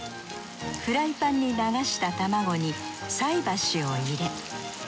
フライパンに流した卵に菜箸を入れ。